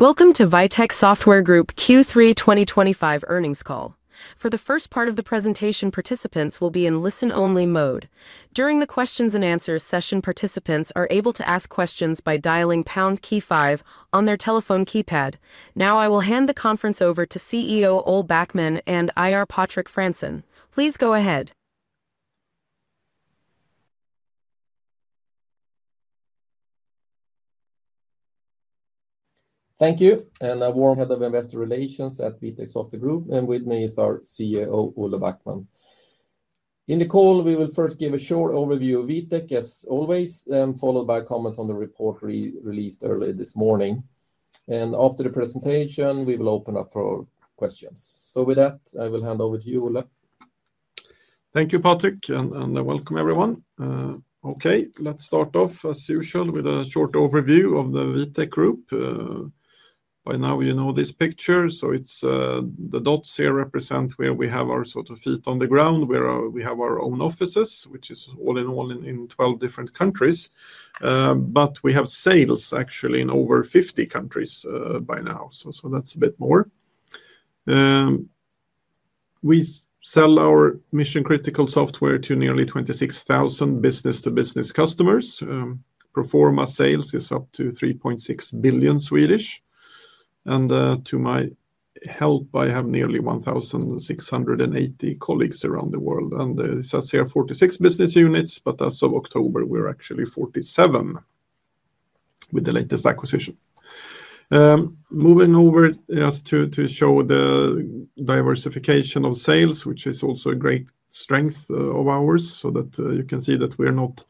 Welcome to Vitec Software Group Q3 2025 earnings call. For the first part of the presentation, participants will be in listen-only mode. During the questions and answers session, participants are able to ask questions by dialing pound key five on their telephone keypad. Now, I will hand the conference over to CEO Olle Backman and Head of Investor Relations Patrik Fransson. Please go ahead. Thank you, and I'm the Head of Investor Relations at Vitec Software Group, and with me is our CEO Olle Backman. In the call, we will first give a short overview of Vitec, as always, followed by comments on the report released earlier this morning. After the presentation, we will open up for questions. With that, I will hand over to you, Olle. Thank you, Patrik, and welcome, everyone. Okay, let's start off, as usual, with a short overview of the Vitec Software Group. By now, you know this picture, so the dots here represent where we have our feet on the ground, where we have our own offices, which is all in all in 12 different countries. We have sales, actually, in over 50 countries by now, so that's a bit more. We sell our mission-critical software to nearly 26,000 B2B customers. Performance sales are up to 3.6 billion. To my help, I have nearly 1,680 colleagues around the world. It says here 46 business units, but as of October, we're actually 47 with the latest acquisition. Moving over just to show the diversification of sales, which is also a great strength of ours, you can see that we are not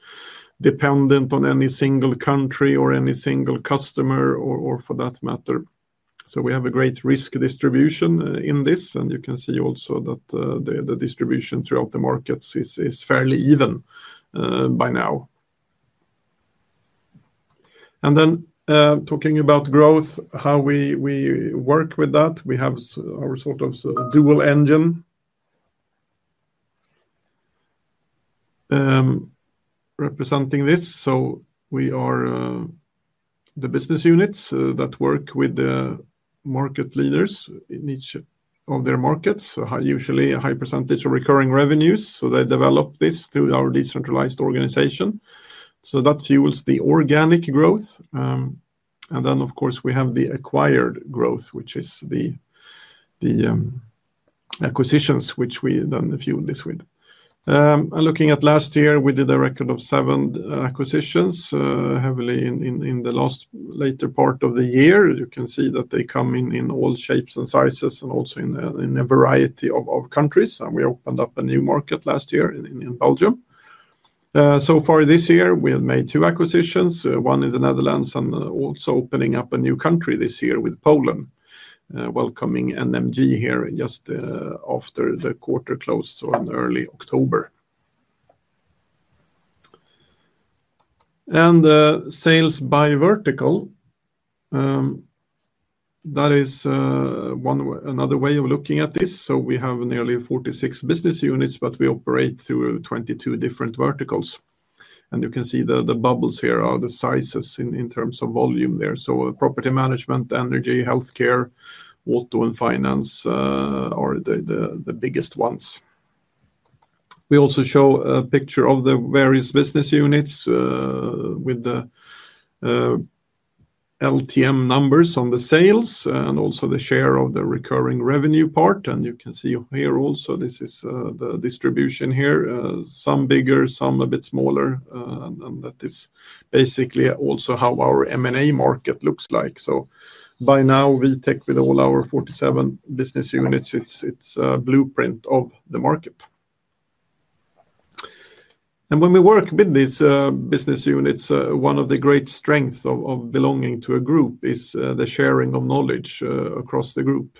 dependent on any single country or any single customer. We have a great risk distribution in this, and you can see also that the distribution throughout the markets is fairly even by now. Talking about growth, how we work with that, we have our sort of dual engine representing this. We are the business units that work with the market leaders in each of their markets, usually a high percentage of recurring revenues. They develop this through our decentralized organization. That fuels the organic growth. Of course, we have the acquired growth, which is the acquisitions which we then fuel this with. Looking at last year, we did a record of seven acquisitions, heavily in the later part of the year. You can see that they come in all shapes and sizes and also in a variety of countries. We opened up a new market last year in Belgium. So far this year, we have made two acquisitions, one in the Netherlands and also opening up a new country this year with Poland, welcoming NMG here just after the quarter closed in early October. Sales by vertical, that is another way of looking at this. We have nearly 46 business units, but we operate through 22 different verticals. You can see that the bubbles here are the sizes in terms of volume there. Property management, energy, healthcare, auto, and finance are the biggest ones. We also show a picture of the various business units with the LTM numbers on the sales and also the share of the recurring revenue part. You can see here also this is the distribution here, some bigger, some a bit smaller. That is basically also how our M&A market looks like. By now, Vitec Software Group, with all our 47 business units, is a blueprint of the market. When we work with these business units, one of the great strengths of belonging to a group is the sharing of knowledge across the group.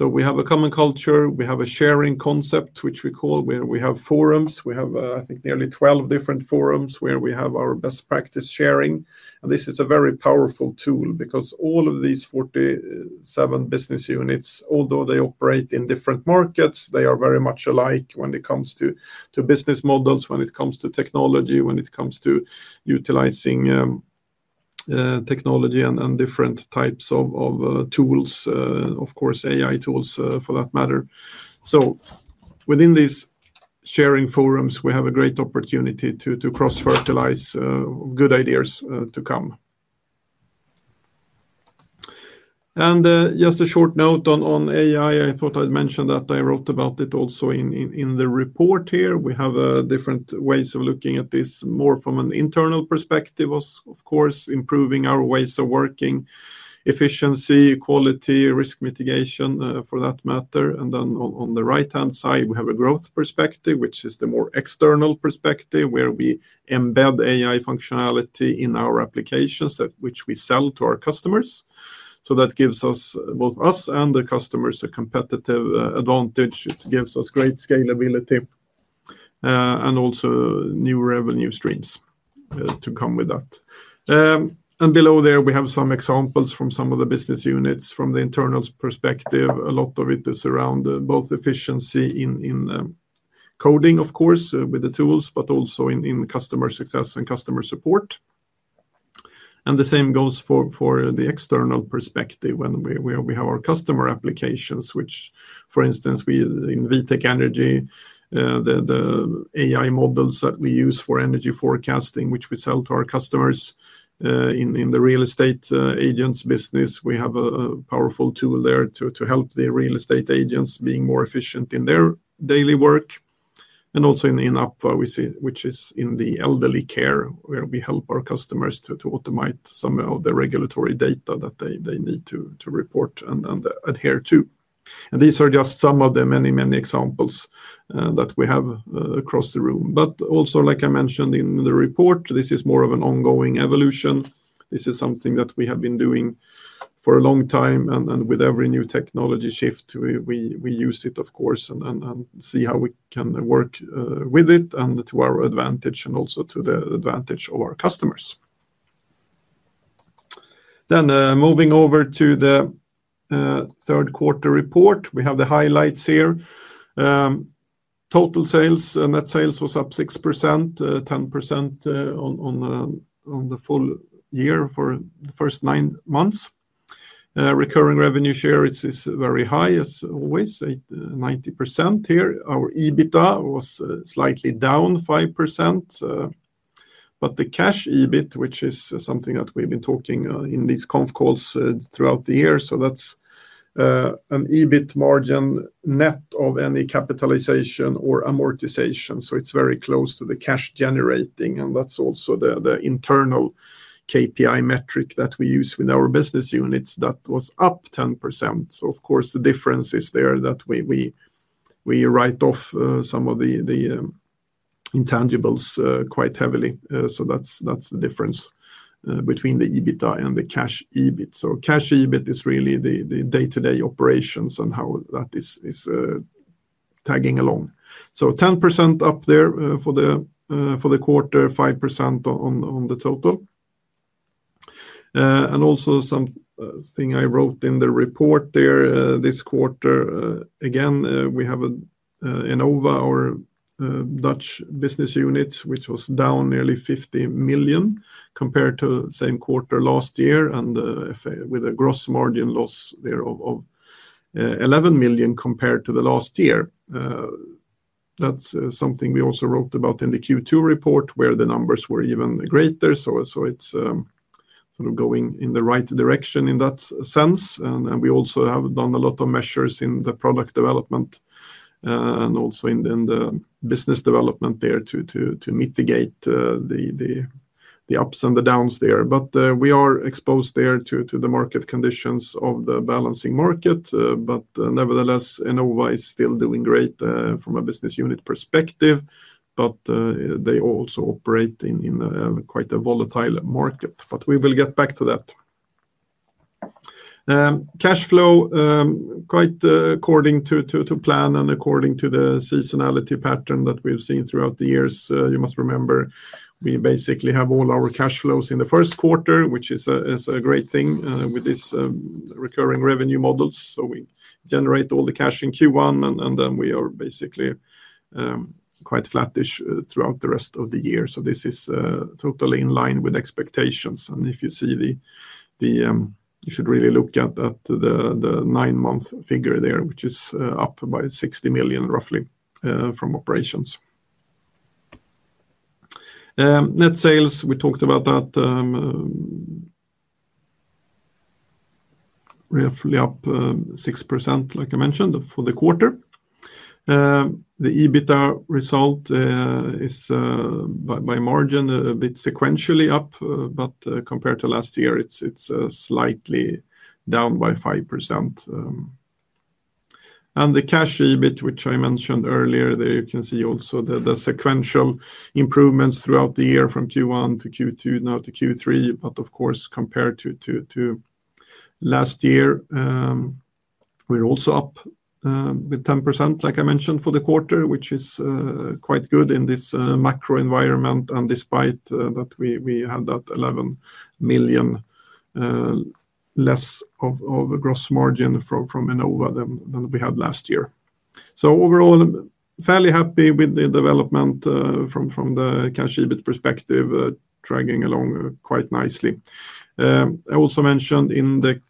We have a common culture. We have a sharing concept, which we call where we have forums. I think nearly 12 different forums where we have our best practice sharing. This is a very powerful tool because all of these 47 business units, although they operate in different markets, are very much alike when it comes to business models, when it comes to technology, when it comes to utilizing technology and different types of tools, of course, AI tools for that matter. Within these sharing forums, we have a great opportunity to cross-fertilize good ideas to come. A short note on AI, I thought I'd mention that I wrote about it also in the report here. We have different ways of looking at this, more from an internal perspective, of course, improving our ways of working, efficiency, quality, risk mitigation, for that matter. On the right-hand side, we have a growth perspective, which is the more external perspective where we embed AI functionality in our applications, which we sell to our customers. That gives us, both us and the customers, a competitive advantage. It gives us great scalability and also new revenue streams to come with that. Below there, we have some examples from some of the business units from the internal perspective. A lot of it is around both efficiency in coding, of course, with the tools, but also in customer success and customer support. The same goes for the external perspective when we have our customer applications, which, for instance, in Vitec Energy, the AI models that we use for energy forecasting, which we sell to our customers in the real estate agents business, we have a powerful tool there to help the real estate agents be more efficient in their daily work. Also in APA, which is in the elderly care, we help our customers to automate some of the regulatory data that they need to report and adhere to. These are just some of the many, many examples that we have across the room. Like I mentioned in the report, this is more of an ongoing evolution. This is something that we have been doing for a long time. With every new technology shift, we use it, of course, and see how we can work with it to our advantage and also to the advantage of our customers. Moving over to the third quarter report, we have the highlights here. Total sales, net sales was up 6%, 10% on the full year for the first nine months. Recurring revenue share, it is very high, as always, 90% here. Our EBITDA was slightly down 5%. The cash EBIT, which is something that we've been talking in these conf calls throughout the year, is an EBIT margin net of any capitalization or amortization. It is very close to the cash generating. That is also the internal KPI metric that we use with our business units that was up 10%. The difference is there that we write off some of the intangibles quite heavily. That is the difference between the EBITDA and the cash EBIT. Cash EBIT is really the day-to-day operations and how that is tagging along. 10% up there for the quarter, 5% on the total. Also, something I wrote in the report there, this quarter, again, we have Enova, our Dutch business unit, which was down nearly 50 million compared to the same quarter last year and with a gross margin loss there of 11 million compared to last year. That is something we also wrote about in the Q2 report where the numbers were even greater. It is sort of going in the right direction in that sense. We also have done a lot of measures in the product development and also in the business development there to mitigate the ups and the downs there. We are exposed there to the market conditions of the balancing energy market. Nevertheless, Enova is still doing great from a business unit perspective. They also operate in quite a volatile market. We will get back to that. Cash flow, quite according to plan and according to the seasonality pattern that we've seen throughout the years, you must remember, we basically have all our cash flows in the first quarter, which is a great thing with these recurring revenue models. We generate all the cash in Q1, and then we are basically quite flattish throughout the rest of the year. This is totally in line with expectations. If you see the, you should really look at the nine-month figure there, which is up by 60 million, roughly, from operations. Net sales, we talked about that, roughly up 6%, like I mentioned, for the quarter. The EBITDA result is by margin a bit sequentially up, but compared to last year, it's slightly down by 5%. The cash EBIT, which I mentioned earlier, there you can see also the sequential improvements throughout the year from Q1 to Q2, now to Q3. Of course, compared to last year, we're also up with 10%, like I mentioned, for the quarter, which is quite good in this macro environment. Despite that, we had that $11 million less of a gross margin from Enova than we had last year. Overall, fairly happy with the development from the cash EBIT perspective, dragging along quite nicely. I also mentioned in the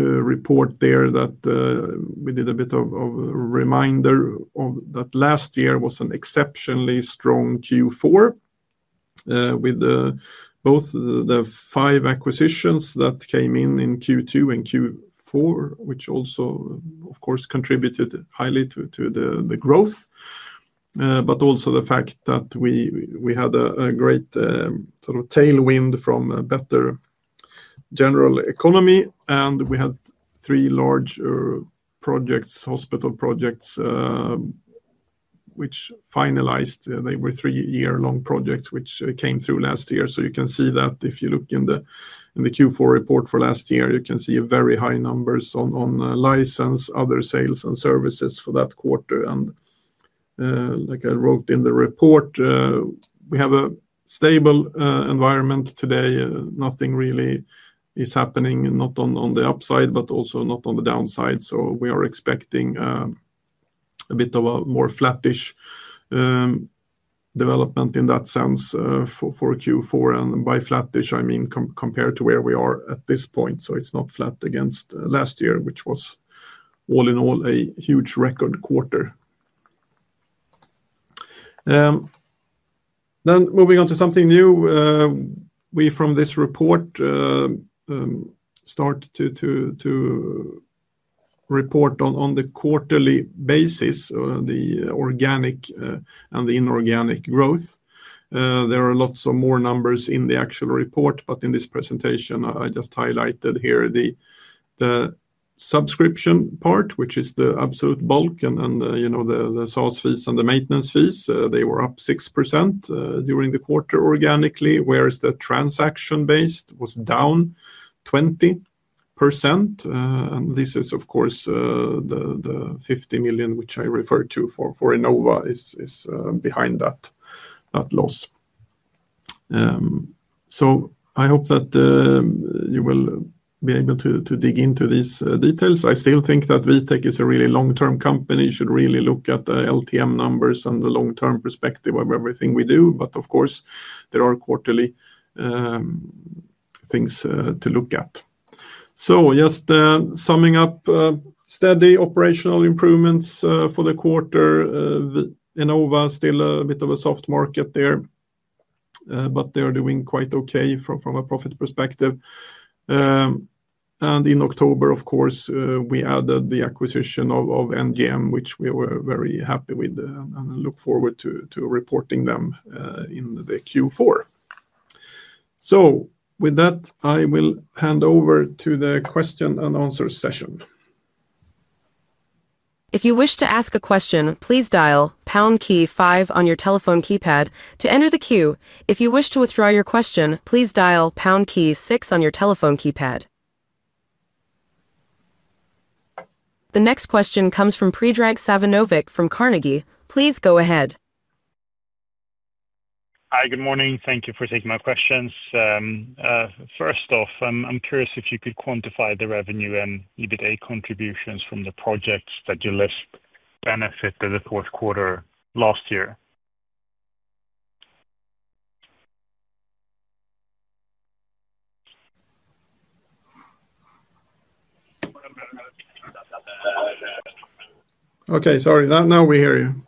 report there that we did a bit of a reminder that last year was an exceptionally strong Q4 with both the five acquisitions that came in in Q2 and Q4, which also, of course, contributed highly to the growth, but also the fact that we had a great sort of tailwind from a better general economy. We had three large projects, hospital projects, which finalized. They were three-year-long projects which came through last year. You can see that if you look in the Q4 report for last year, you can see very high numbers on license, other sales, and services for that quarter. Like I wrote in the report, we have a stable environment today. Nothing really is happening, not on the upside, but also not on the downside. We are expecting a bit of a more flattish development in that sense for Q4. By flattish, I mean compared to where we are at this point. It's not flat against last year, which was all in all a huge record quarter. Moving on to something new, we from this report start to report on the quarterly basis, the organic and the inorganic growth. There are lots of more numbers in the actual report, but in this presentation, I just highlighted here the subscription part, which is the absolute bulk, and the sales fees and the maintenance fees. They were up 6% during the quarter organically, whereas the transaction-based was down 20%. This is, of course, the $50 million which I referred to for Enova is behind that loss. I hope that you will be able to dig into these details. I still think that Vitec is a really long-term company. You should really look at the LTM numbers and the long-term perspective of everything we do. Of course, there are quarterly things to look at. Just summing up, steady operational improvements for the quarter. Enova is still a bit of a soft market there, but they are doing quite okay from a profit perspective. In October, of course, we added the acquisition of NMG, which we were very happy with and look forward to reporting them in the Q4. With that, I will hand over to the question and answer session. If you wish to ask a question, please dial pound key five on your telephone keypad to enter the queue. If you wish to withdraw your question, please dial pound key six on your telephone keypad. The next question comes from Predrag Savinovic from Carnegie. Please go ahead. Hi, good morning. Thank you for taking my questions. First off, I'm curious if you could quantify the revenue and EBITDA contributions from the projects that you list benefit to the fourth quarter last year. Okay, sorry. Now we hear you,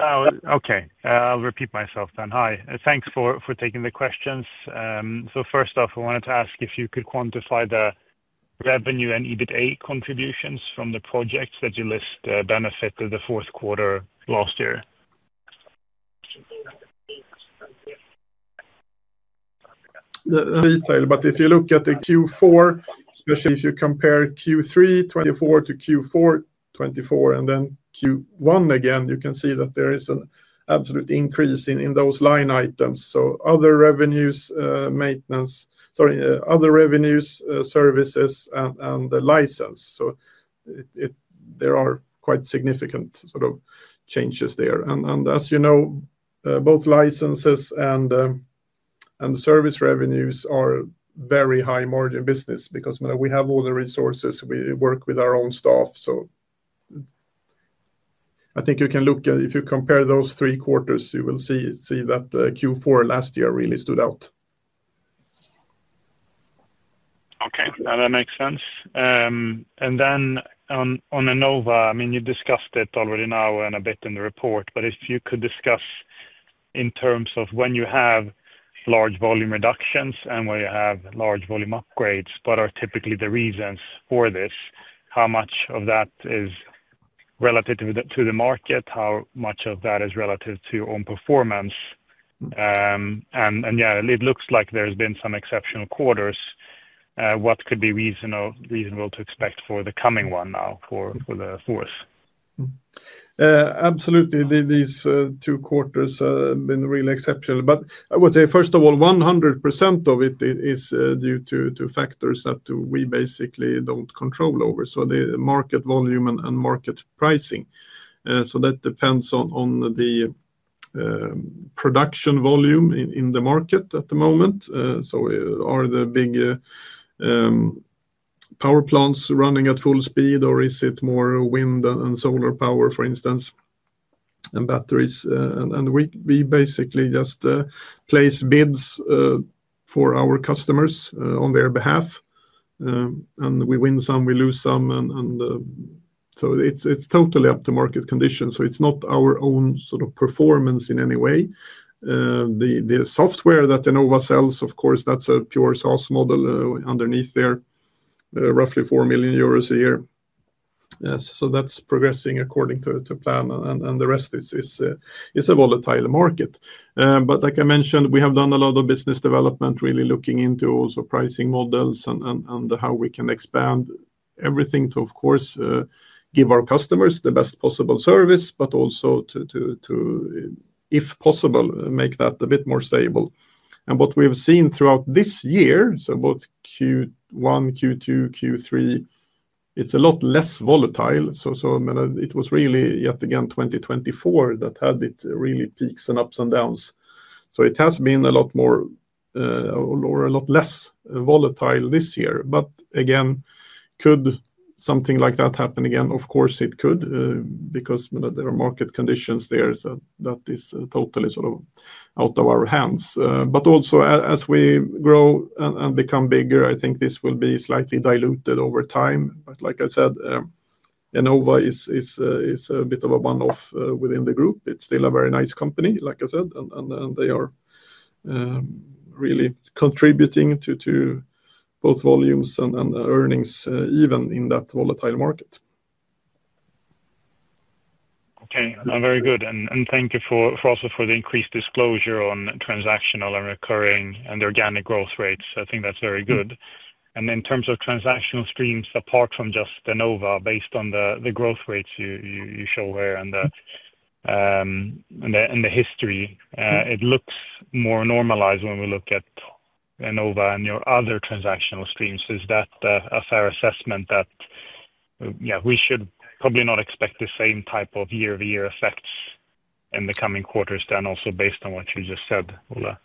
Predrag. Okay. I'll repeat myself then. Hi. Thanks for taking the questions. First off, I wanted to ask if you could quantify the revenue and EBITDA contributions from the projects that you list benefit to the fourth quarter last year. If you look at the Q4, especially if you compare Q3 2024 to Q4 2024, and then Q1 again, you can see that there is an absolute increase in those line items. Other revenues, services, and the license. There are quite significant sort of changes there. As you know, both licenses and service revenues are very high margin business because we have all the resources. We work with our own staff. I think you can look at, if you compare those three quarters, you will see that the Q4 last year really stood out. Okay. That makes sense. On Enova, you discussed it already now and a bit in the report, but if you could discuss in terms of when you have large volume reductions and where you have large volume upgrades, what are typically the reasons for this? How much of that is relative to the market? How much of that is relative to your own performance? It looks like there's been some exceptional quarters. What could be reasonable to expect for the coming one now for the fourth? Absolutely. These two quarters have been really exceptional. I would say, first of all, 100% of it is due to factors that we basically don't control over. The market volume and market pricing depend on the production volume in the market at the moment. Are the big power plants running at full speed, or is it more wind and solar power, for instance, and batteries? We basically just place bids for our customers on their behalf. We win some, we lose some. It is totally up to market conditions. It is not our own sort of performance in any way. The software that Enova sells, of course, that's a pure SaaS model underneath there, roughly 4 million euros a year. That is progressing according to plan. The rest is a volatile market. Like I mentioned, we have done a lot of business development, really looking into also pricing models and how we can expand everything to, of course, give our customers the best possible service, but also to, if possible, make that a bit more stable. What we have seen throughout this year, both Q1, Q2, Q3, is a lot less volatile. It was really, yet again, 2024 that had its really peaks and ups and downs. It has been a lot more or a lot less volatile this year. Could something like that happen again? Of course, it could because there are market conditions there that are totally sort of out of our hands. Also, as we grow and become bigger, I think this will be slightly diluted over time. Like I said, Enova is a bit of a one-off within the group. It is still a very nice company, like I said, and they are really contributing to both volumes and earnings, even in that volatile market. Very good. Thank you also for the increased disclosure on transactional and recurring and organic growth rates. I think that's very good. In terms of transactional streams, apart from just Enova, based on the growth rates you show here and the history, it looks more normalized when we look at Enova and your other transactional streams. Is that a fair assessment that, yeah, we should probably not expect the same type of year-over-year effects in the coming quarters then, also based on what you just said, Olle?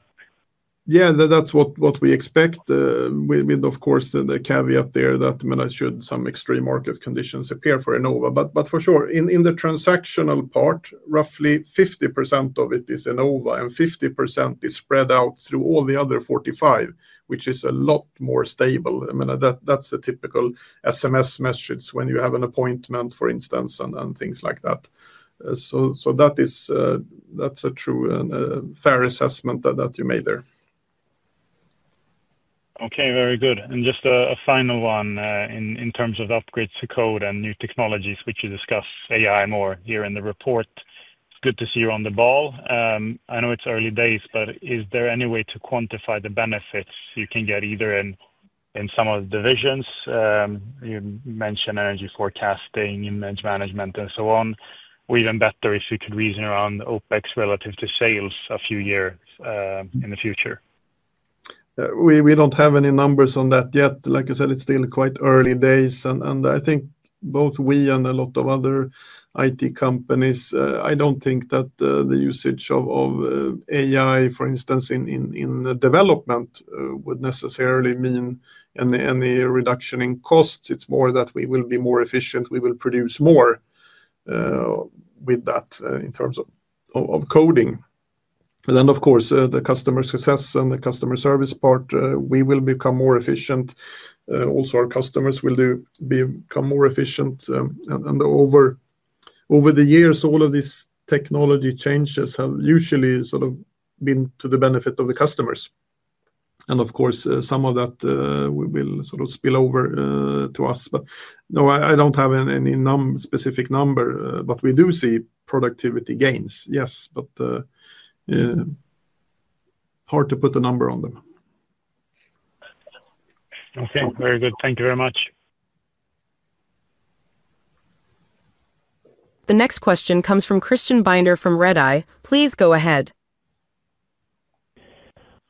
Yeah, that's what we expect, with, of course, the caveat there that, I mean, should some extreme market conditions appear for Enova. For sure, in the transactional part, roughly 50% of it is Enova, and 50% is spread out through all the other 45, which is a lot more stable. I mean, that's the typical SMS message when you have an appointment, for instance, and things like that. That's a true and fair assessment that you made there. Okay. Very good. Just a final one, in terms of upgrades to code and new technologies, you discuss AI more here in the report. It's good to see you're on the ball. I know it's early days, but is there any way to quantify the benefits you can get either in some of the divisions? You mentioned energy forecasting, image management, and so on. Even better, if you could reason around OpEx relative to sales a few years in the future. We don't have any numbers on that yet. Like I said, it's still quite early days. I think both we and a lot of other IT companies, I don't think that the usage of AI, for instance, in development would necessarily mean any reduction in costs. It's more that we will be more efficient. We will produce more with that in terms of coding. Of course, the customer success and the customer service part, we will become more efficient. Also, our customers will become more efficient. Over the years, all of these technology changes have usually sort of been to the benefit of the customers. Of course, some of that will sort of spill over to us. No, I don't have any specific number, but we do see productivity gains, yes, but hard to put a number on them. Okay, very good. Thank you very much. The next question comes from Christian Binder from Redeye. Please go ahead.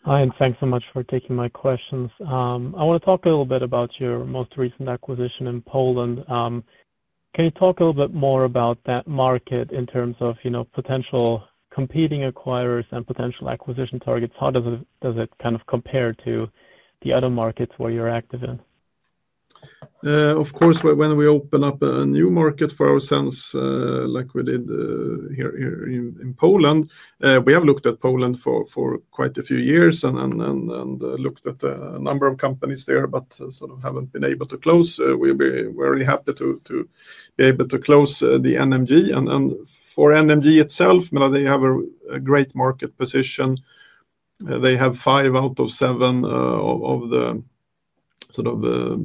Hi, and thanks so much for taking my questions. I want to talk a little bit about your most recent acquisition in Poland. Can you talk a little bit more about that market in terms of potential competing acquirers and potential acquisition targets? How does it kind of compare to the other markets where you're active in? Of course, when we open up a new market for our sense, like we did here in Poland, we have looked at Poland for quite a few years and looked at a number of companies there, but sort of haven't been able to close. We're very happy to be able to close the NMG. For NMG itself, they have a great market position. They have five out of seven of the sort of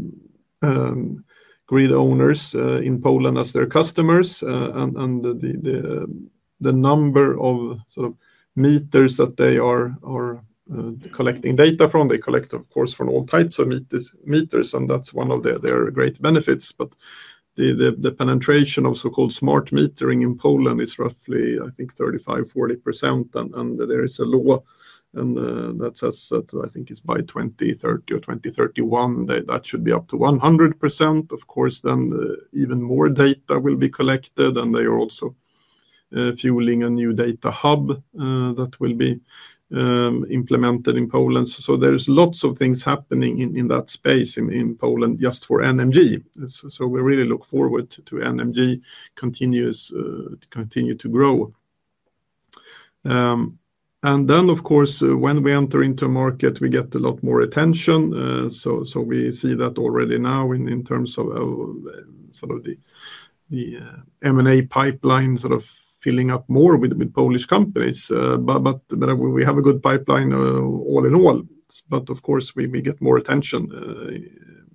grid owners in Poland as their customers. The number of sort of meters that they are collecting data from, they collect, of course, from all types of meters, and that's one of their great benefits. The penetration of so-called smart metering in Poland is roughly, I think, 35%-40%. There is a law that says that, I think it's by 2030 or 2031, that should be up to 100%. Of course, even more data will be collected, and they are also fueling a new data hub that will be implemented in Poland. There are lots of things happening in that space in Poland just for NMG. We really look forward to NMG continuing to grow. Of course, when we enter into a market, we get a lot more attention. We see that already now in terms of the M&A pipeline filling up more with Polish companies. We have a good pipeline all in all. Of course, we get more attention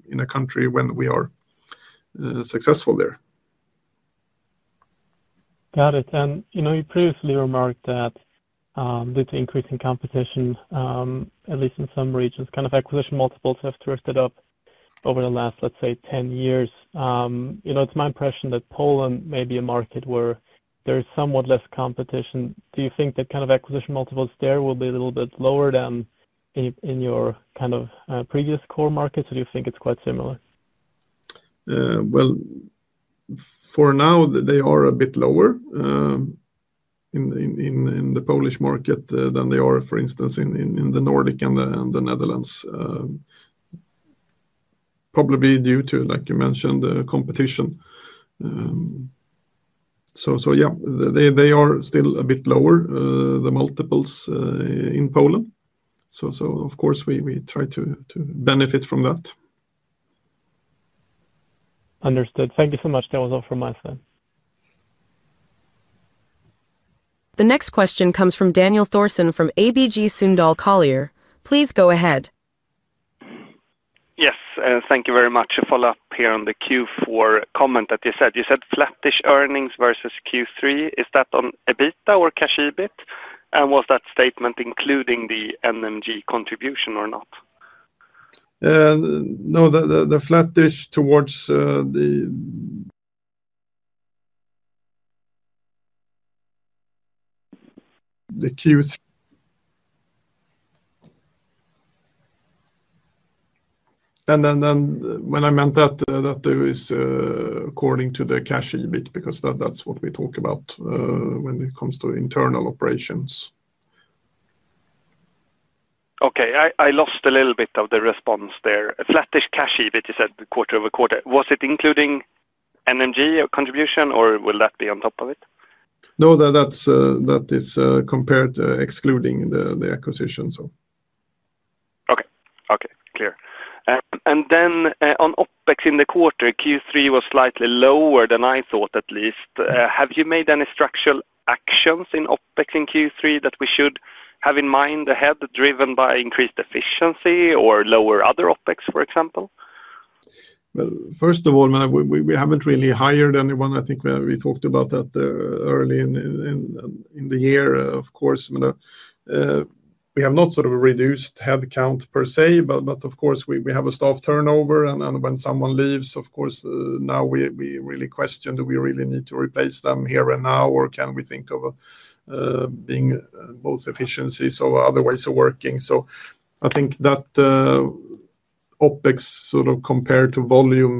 in a country when we are successful there. Got it. You previously remarked that due to increasing competition, at least in some regions, acquisition multiples have drifted up over the last, let's say, 10 years. It's my impression that Poland may be a market where there's somewhat less competition. Do you think that acquisition multiples there will be a little bit lower than in your previous core markets, or do you think it's quite similar? For now, they are a bit lower in the Polish market than they are, for instance, in the Nordic and the Netherlands, probably due to, like you mentioned, the competition. They are still a bit lower, the multiples in Poland. Of course, we try to benefit from that. Understood. Thank you so much. That was all from my side. The next question comes from Daniel Thorsson from ABG Sundal Collier. Please go ahead. Yes, thank you very much. A follow-up here on the Q4 comment that you said. You said flattish earnings versus Q3. Is that on EBITDA or cash EBIT? Was that statement including the NMG contribution or not? No, the flattish towards the Q3. When I meant that, that is according to the cash EBIT because that's what we talk about when it comes to internal operations. Okay. I lost a little bit of the response there. A flattish cash EBIT, you said quarter-over-quarter. Was it including NMG contribution, or will that be on top of it? No, that is compared to excluding the acquisition. Okay. Clear. On OpEx in the quarter, Q3 was slightly lower than I thought, at least. Have you made any structural actions in OpEx in Q3 that we should have in mind ahead, driven by increased efficiency or lower other OpEx, for example? First of all, we haven't really hired anyone. I think we talked about that early in the year. Of course, we have not sort of reduced headcount per se, but of course, we have a staff turnover. When someone leaves, of course, now we really question, do we really need to replace them here and now, or can we think of both efficiencies or other ways of working? I think that OpEx compared to volume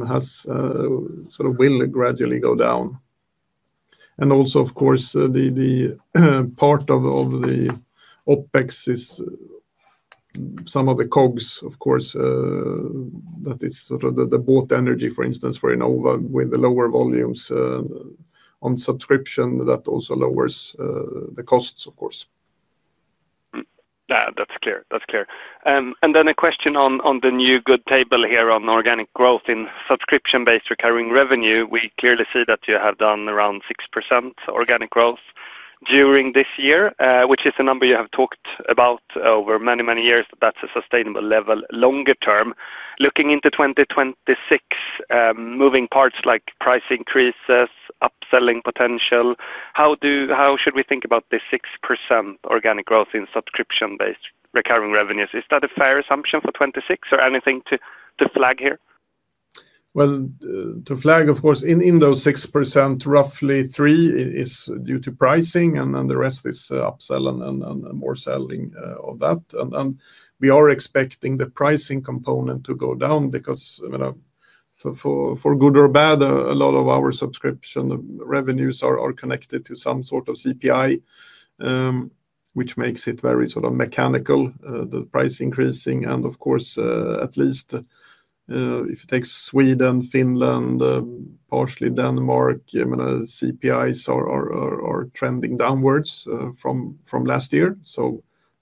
will gradually go down. Also, the part of the OpEx is some of the COGs, that is the bought energy, for instance, for Enova with the lower volumes on subscription that also lowers the costs, of course. Yeah, that's clear. A question on the new good table here on organic growth in subscription-based recurring revenue. We clearly see that you have done around 6% organic growth during this year, which is a number you have talked about over many, many years. That's a sustainable level longer term. Looking into 2026, moving parts like price increases, upselling potential, how should we think about this 6% organic growth in subscription-based recurring revenues? Is that a fair assumption for 2026 or anything to flag here? To flag, of course, in those 6%, roughly 3% is due to pricing, and then the rest is upsell and more selling of that. We are expecting the pricing component to go down because, I mean, for good or bad, a lot of our subscription revenues are connected to some sort of CPI, which makes it very sort of mechanical, the price increasing. At least if you take Sweden, Finland, partially Denmark, I mean, CPIs are trending downwards from last year.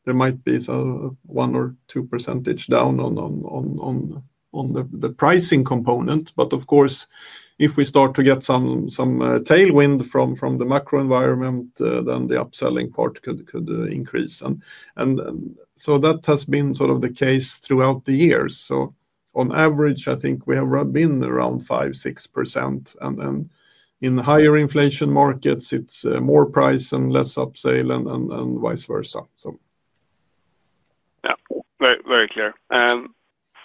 There might be 1% or 2% down on the pricing component. Of course, if we start to get some tailwind from the macro environment, then the upselling part could increase. That has been sort of the case throughout the years. On average, I think we have been around 5%, 6%. In higher inflation markets, it's more price and less upsell and vice versa. Yeah, very clear.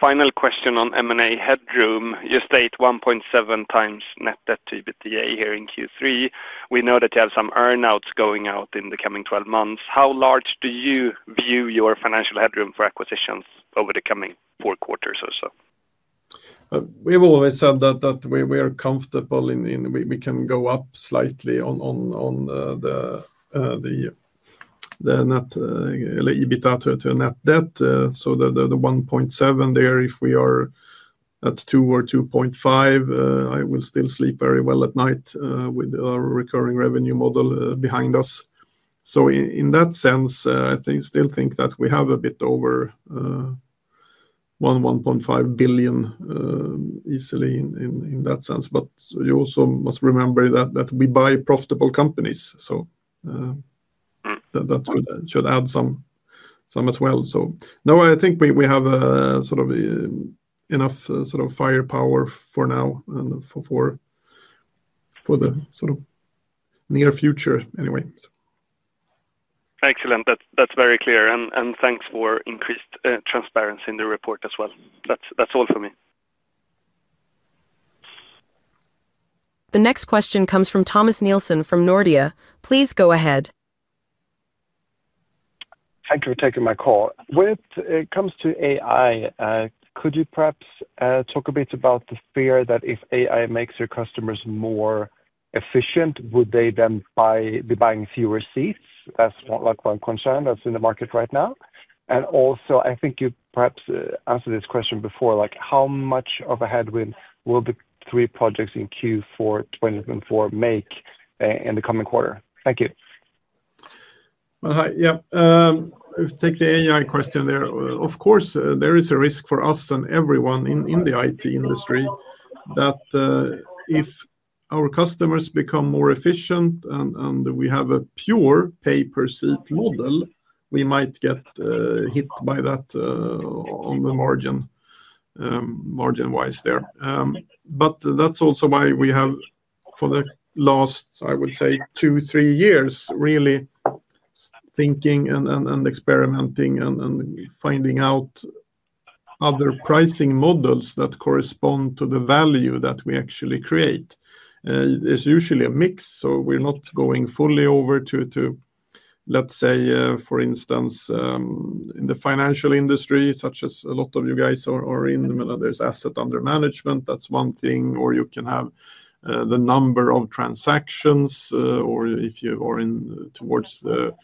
Final question on M&A headroom. You stated 1.7x net debt/EBITDA here in Q3. We know that you have some earnouts going out in the coming 12 months. How large do you view your financial headroom for acquisitions over the coming four quarters or so? We have always said that we are comfortable if we can go up slightly on the net debt/EBITDA. The 1.7x there, if we are at 2x or 2.5x, I will still sleep very well at night with our recurring revenue model behind us. In that sense, I still think that we have a bit over 1.5 billion easily in that sense. You also must remember that we buy profitable companies, so that should add some as well. I think we have enough sort of firepower for now and for the near future anyway. Excellent. That's very clear. Thanks for increased transparency in the report as well. That's all for me. The next question comes from Thomas Nielsen from Nordea. Please go ahead. Thank you for taking my call. When it comes to AI, could you perhaps talk a bit about the fear that if AI makes your customers more efficient, would they then be buying fewer seats, as like one concern that's in the market right now? I think you perhaps answered this question before, like how much of a headwind will the three projects in Q4 2024 make in the coming quarter? Thank you. Hi. I take the AI question there. Of course, there is a risk for us and everyone in the IT industry that if our customers become more efficient and we have a pure pay-per-seat model, we might get hit by that on the margin-wise there. That is also why we have, for the last, I would say, two, three years, really been thinking and experimenting and finding out other pricing models that correspond to the value that we actually create. It's usually a mix. We're not going fully over to, let's say, for instance, in the financial industry, such as a lot of you guys are in. There's asset under management, that's one thing. Or you can have the number of transactions, or if you are towards the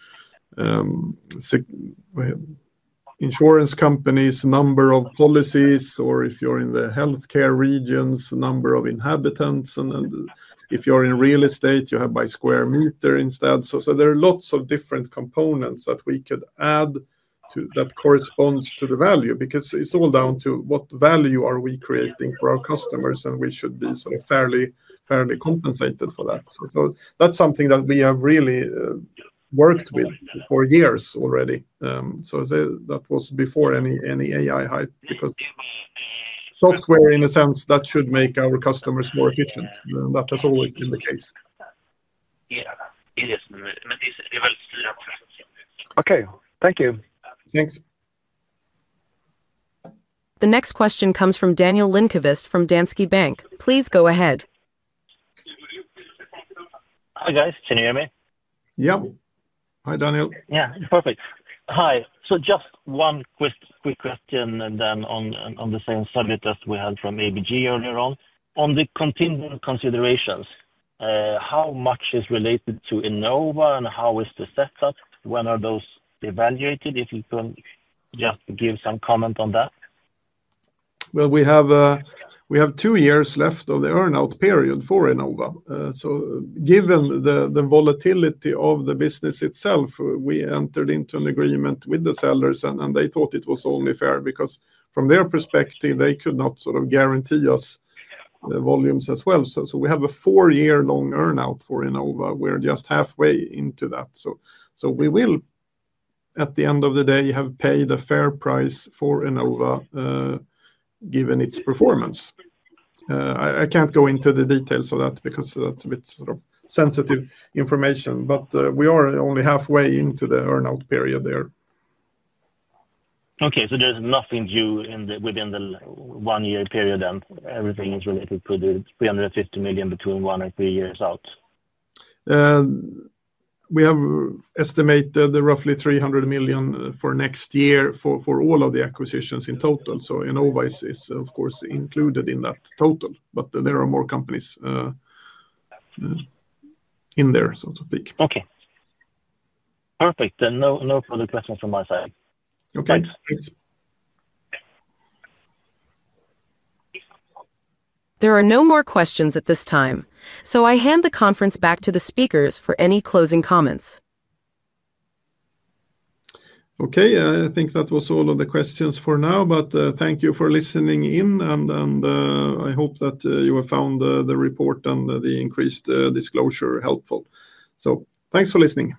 insurance companies, the number of policies, or if you're in the healthcare regions, the number of inhabitants. If you're in real estate, you have by square meter instead. There are lots of different components that we could add to that correspond to the value because it's all down to what value are we creating for our customers, and we should be sort of fairly compensated for that. That is something that we have really worked with for years already. That was before any AI hype because software, in a sense, that should make our customers more efficient. That has always been the case. Okay. Thank you. Thanks. The next question comes from Daniel Lindkvist from Danske Bank. Please go ahead. Hi, guys. Can you hear me? Hi, Daniel. Yeah, perfect. Hi. Just one quick question on the same subject that we had from ABG earlier. On the continuum considerations, how much is related to Enova and how is the setup? When are those evaluated? If you could just give some comment on that. We have two years left of the earnout period for Enova. Given the volatility of the business itself, we entered into an agreement with the sellers, and they thought it was only fair because from their perspective, they could not sort of guarantee us the volumes as well. We have a four-year-long earnout for Enova. We're just halfway into that. We will, at the end of the day, have paid a fair price for Enova given its performance. I can't go into the details of that because that's a bit sort of sensitive information. We are only halfway into the earnout period there. Okay. There's nothing due within the one-year period, and everything is related to the $350 million between one and three years out. We have estimated roughly 300 million for next year for all of the acquisitions in total. Enova is, of course, included in that total, but there are more companies in there, so to speak. Okay. Perfect. No further questions from my side. Okay. Thanks. There are no more questions at this time. I hand the conference back to the speakers for any closing comments. Okay. I think that was all of the questions for now. Thank you for listening in, and I hope that you have found the report and the increased disclosure helpful. Thanks for listening.